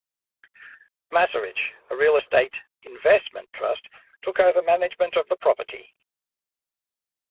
Macerich, a Real Estate Investment Trust, took over management of the property.